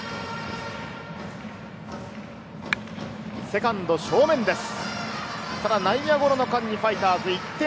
セカンド正面です。